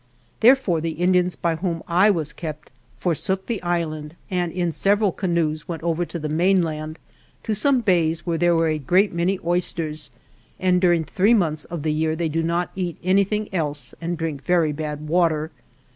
Therefore the Indians by whom I was kept forsook the island and in several canoes went over to the mainland to some bays where there were a great many oysters and during three months of the year they do not eat anything else and drink very bad water.